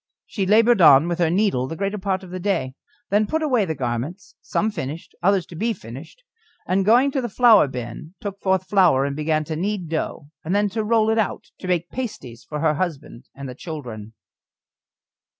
She laboured on with her needle the greater part of the day, then put away the garments, some finished, others to be finished, and going to the flour bin took forth flour and began to knead dough, and then to roll it out to make pasties for her husband and the children.